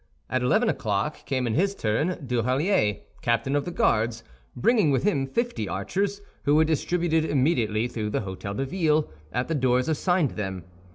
At eleven o'clock came in his turn Duhallier, captain of the Guards, bringing with him fifty archers, who were distributed immediately through the Hôtel de Ville, at the doors assigned them.